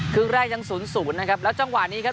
ครึ่งแรกยังศูนย์ศูนย์นะครับแล้วจังหวะนี้ครับ